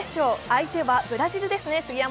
相手はブラジルですね。